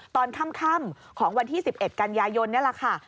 ตอนค่ำของวันที่๑๑กันยายนนี่แหละค่ะ